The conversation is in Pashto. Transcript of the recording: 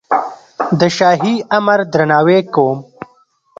د شاهي امر درناوی کوم.